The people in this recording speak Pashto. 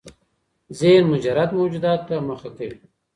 ذهن مجرد موجوداتو ته مخه کوي.